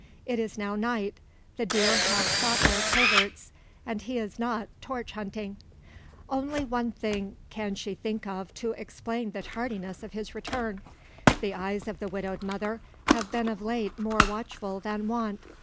It is now night; the deer have sought their coverts; and he is not "torch hunting." Only one thing can she think of to explain the tardiness of his return. The eyes of the widowed mother have been of late more watchful than wont.